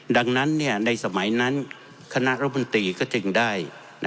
ดังนั้นในสมัยนั้นคณะรัฐมนตรีก็จึงได้